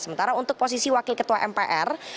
sementara untuk posisi wakil ketua mpr